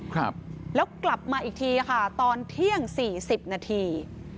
ครับแล้วกลับมาอีกทีค่ะตอนเที่ยงสี่สิบนาที